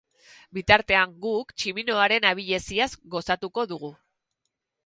Bitartean, guk, tximinoaren abileziaz gozatuko dugu.